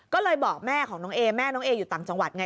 ก็เลยบอกแม่ของน้องเอแม่น้องเออยู่ต่างจังหวัดไง